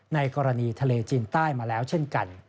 ในกรณีทะเลจีนใต้มาแล้วเช่นกัน